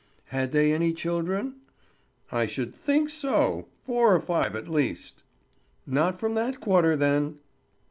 "Had they any children?" "I should think so! four or five at least." "Not from that quarter, then."